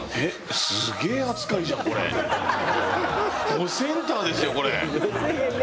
どセンターですよこれ。